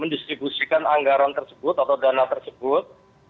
mendistribusikan anggaran tersebut atau dana tersebut